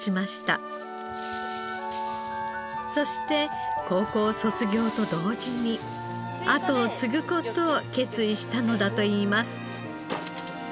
そして高校卒業と同時に跡を継ぐ事を決意したのだといいます。